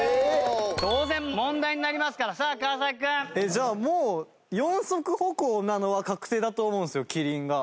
じゃあもう四足歩行なのは確定だと思うんですよキリンが。